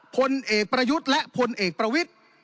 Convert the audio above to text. พลเอกประยุทธ์และพลเอกประวิทธิ์